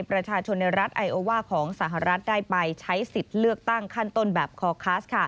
ประชาชนในรัฐไอโอว่าของสหรัฐได้ไปใช้สิทธิ์เลือกตั้งขั้นต้นแบบคอคัส